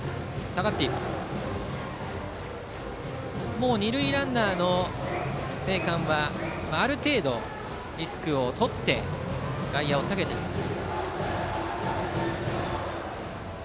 もう二塁ランナーの生還はある程度リスクをとって外野を下げています。